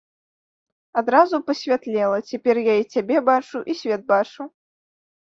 Адразу пасвятлела, цяпер я і цябе бачу, і свет бачу.